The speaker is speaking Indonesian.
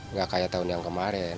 nggak kayak tahun yang kemarin